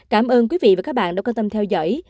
cảm ơn quý vị và các bạn đã theo dõi